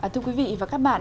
thưa quý vị và các bạn